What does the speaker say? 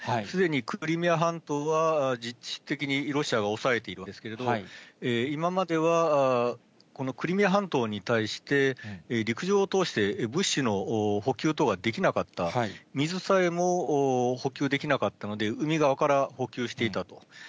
すでにクリミア半島は実質的にロシアが押さえているわけですけれども、今まではクリミア半島に対して、陸上を通して、物資の補給等はできなかった、水さえも補給できなかったので、海側から補給していたと。